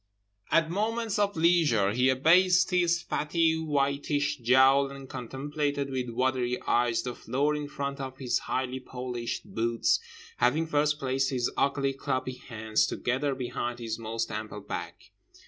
At moments of leisure he abased his fatty whitish jowl and contemplated with watery eyes the floor in front of his highly polished boots, having first placed his ugly clubby hands together behind his most ample back.